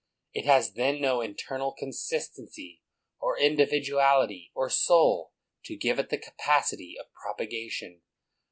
It has then no internal consistency, or individuality, or soul, to give it the capacity of propagation.